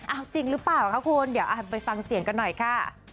เอาจริงหรือเปล่าคะคุณเดี๋ยวไปฟังเสียงกันหน่อยค่ะ